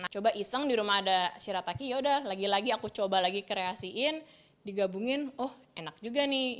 coba iseng di rumah ada shirataki yaudah lagi lagi aku coba lagi kreasiin digabungin oh enak juga nih